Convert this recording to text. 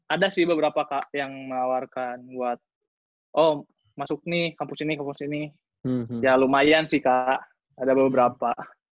ada sih beberapa kak yang menawarkan buat oh masuk nih kampus ini kampus ini ya lumayan sih kak ada beberapa